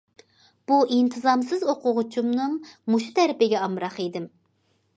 بۇ‹‹ ئىنتىزامسىز›› ئوقۇغۇچىمنىڭ مۇشۇ تەرىپىگە ئامراق ئىدىم.